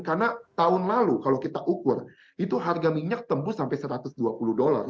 karena tahun lalu kalau kita ukur itu harga minyak tembus sampai satu ratus dua puluh dolar